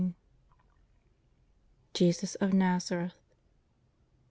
JESUS OF NAZAKETH.